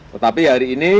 tetapi hari ini